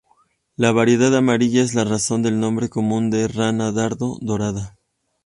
La variedad amarilla es la razón del nombre común de rana dardo dorada.